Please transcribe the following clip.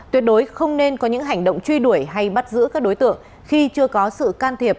tuyệt đối không nên có những hành động truy đuổi hay bắt giữ các đối tượng khi chưa có sự can thiệp